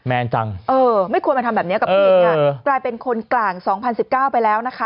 แมนจังเออไม่ควรมาทำแบบนี้กับคุณค่ะกลายเป็นคนกลาง๒๐๑๙ไปแล้วนะคะ